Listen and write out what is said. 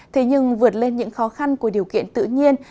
thế nhưng vượt lên những khó khăn của điều kiện tự nhiên